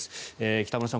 北村さん